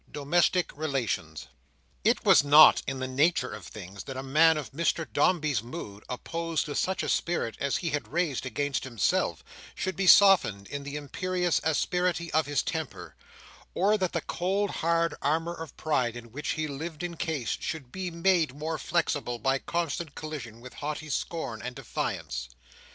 Domestic Relations It was not in the nature of things that a man of Mr Dombey's mood, opposed to such a spirit as he had raised against himself, should be softened in the imperious asperity of his temper; or that the cold hard armour of pride in which he lived encased, should be made more flexible by constant collision with haughty scorn and defiance.